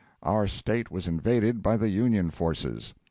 Our State was invaded by the Union forces.